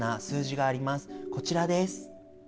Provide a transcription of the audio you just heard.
こちらです。